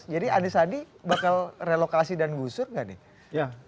jadi andi sadi bakal relokasi dan usur gak nih